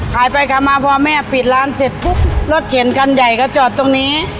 ขายไปขายมาพอแม่ปิดร้านเสร็จปุ๊บรถเข็นคันใหญ่ก็จอดตรงนี้